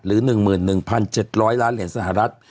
หรือ๑๑๗๐๐ล้านเหรียญสหรัฐ